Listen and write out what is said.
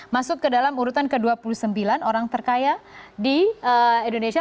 masuk ke dalam urutan ke dua puluh sembilan orang terkaya di indonesia